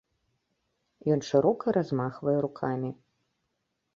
Ён шырока размахвае рукамі.